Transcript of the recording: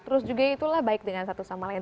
terus juga itulah baik dengan satu orang